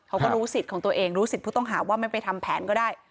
เขาก็รู้สิทธิ์ของตัวเองรู้สิทธิ์ผู้ต้องหาว่าไม่ไปทำแผนก็ได้